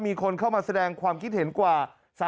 มีคนเข้ามาแสดงความคิดเห็นกว่า